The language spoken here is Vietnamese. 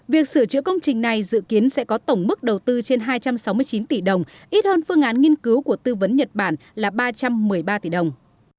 việc sửa chữa công trình này dự kiến sẽ có tổng mức đầu tư trên hai trăm sáu mươi chín tỷ đồng ít hơn phương án nghiên cứu của tư vấn nhật bản là ba trăm một mươi ba tỷ đồng